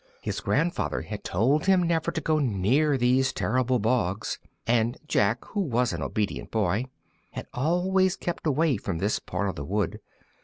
His grandfather had told him never to go near these terrible bogs, and Jack, who was an obedient boy, had always kept away from this part of the wood.